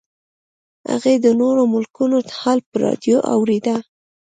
هغې د نورو ملکونو حال په راډیو اورېده